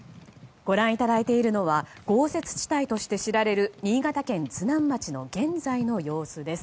ご覧いただいているのは豪雪地帯として知られる新潟県津南町の現在の様子です。